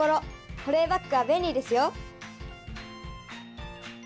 保冷バッグは便利ですよ。